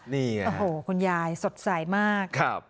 นี่ค่ะโอ้โหคุณยายสดใสมากครับ